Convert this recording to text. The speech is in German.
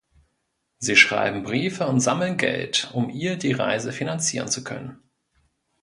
Sie schreiben Briefe und sammeln Geld, um ihr die Reise finanzieren zu können.